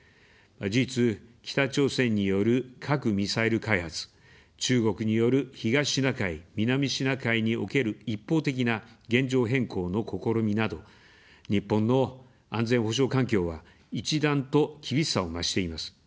事実、北朝鮮による核・ミサイル開発、中国による東シナ海・南シナ海における一方的な現状変更の試みなど、日本の安全保障環境は、一段と厳しさを増しています。